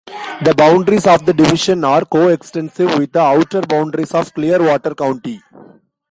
The boundaries of the division are coextensive with the outer boundaries of Clearwater County.